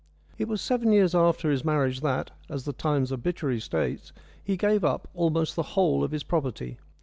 It was seven years after his marriage that, as the Times obituary states, he gave up almost the whole of his property.